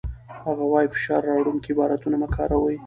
هغه وايي، فشار راوړونکي عبارتونه مه کاروئ.